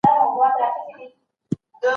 علامه رشاد د تاریخ او ادب تر منځ پل جوړ کړی دی.